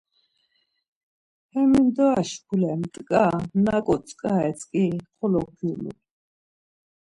Hemindro şkule mt̆ǩa naǩo tzǩare tzǩi xolo kyulun.